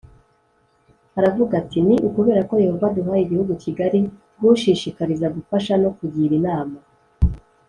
Aravuga ati ni ukubera ko yehova aduhaye igihugu kigari bgushishikariza gufasha no kugira inama